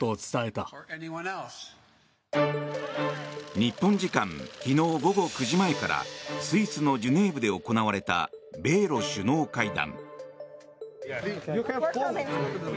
日本時間昨日午後９時前からスイスのジュネーブで行われた米ロ首脳会談。